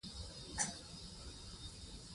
احمد افغانستان ته پناه وړي .